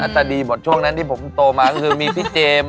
จะดีหมดช่วงนั้นที่ผมโตมาก็คือมีพี่เจมส์